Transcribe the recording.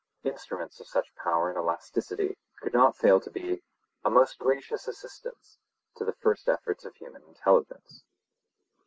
Instruments of such power and elasticity could not fail to be 'a most gracious assistance' to the first efforts of human intelligence.